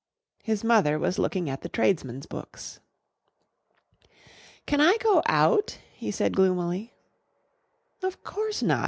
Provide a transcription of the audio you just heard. His mother was looking at the tradesmen's books. "Can I go out?" he said gloomily. "No, of course not.